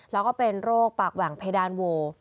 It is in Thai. แล้วก็เป็นโรคปากแหว่งเพดานโว